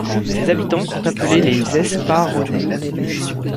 Ses habitants sont appelés les Esparronais.